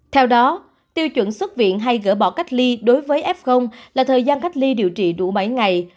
theo đó tiêu chuẩn xuất viện hay gỡ bỏ cách ly đối với f là thời gian cách ly điều trị đủ bảy ngày